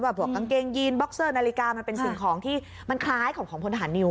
พวกกางเกงยีนบ็อกเซอร์นาฬิกามันเป็นสิ่งของที่มันคล้ายของพลทหารนิว